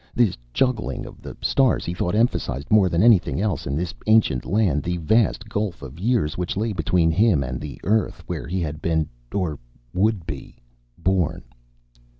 This juggling of the stars, he thought, emphasized more than anything else in this ancient land the vast gulf of years which lay between him and the Earth where he had been or would be born.